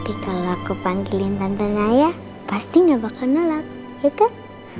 tapi kalau aku panggilin tante naya pasti gak bakal nolak ya kan